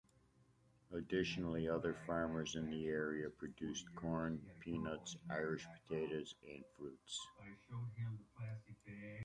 Additionally, other farmers in the area produced corn, peanuts, Irish potatoes, and fruits.